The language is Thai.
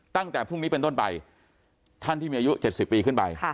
ตั้งแต่พรุ่งนี้เป็นต้นไปท่านที่มีอายุ๗๐ปีขึ้นไป